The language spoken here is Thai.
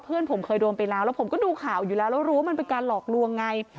เพื่อนผมเคยโดนไปแล้วแล้วผมก็ดูข่าวอยู่แล้วแล้วรู้ว่ามันเป็นการหลอกลวงไง